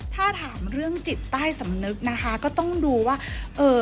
ถ้าถามเรื่องจิตใต้สำนึกนะคะก็ต้องดูว่าเอ่อ